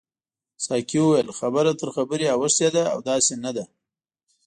ساقي وویل خبره تر خبرې اوښتې ده او داسې نه ده.